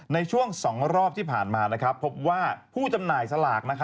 ในช่วง๒รอบที่ผ่านมาพบว่าผู้จำหน่ายสลาก